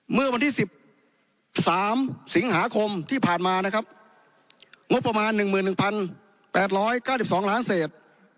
เมื่อวันที่๑๓สิงหาคมที่ผ่านมานะครับงบประมาณ๑๑๘๙๒ล้านเศษ